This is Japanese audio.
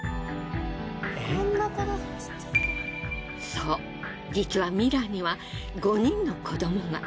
そう実はミラには５人の子どもが。